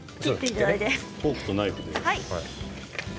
フォークとナイフで。